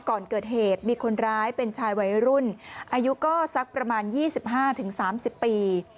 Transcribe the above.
ก่อนเกิดเหตุมีคนร้ายเป็นชายวัยรุ่นอายุก็สักประมาณ๒๕๓๐ปี